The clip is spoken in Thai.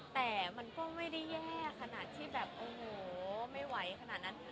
แต่มันก็ไม่ได้แย่ขนาดที่แบบโอ้โหไม่ไหวขนาดนั้น